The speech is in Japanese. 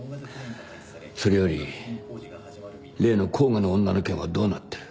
それより例の甲賀の女の件はどうなってる？